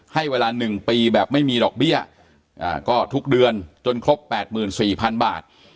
ให้เวลา๑ปีแบบไม่มีดอกเบี้ยก็ทุกเดือนจนครบ๘๔๐๐๐บาท